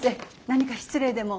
何か失礼でも？